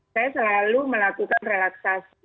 saya selalu melakukan relaksasi